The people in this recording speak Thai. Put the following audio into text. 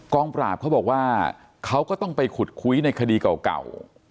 ปราบเขาบอกว่าเขาก็ต้องไปขุดคุยในคดีเก่า